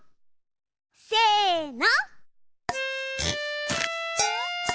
せの！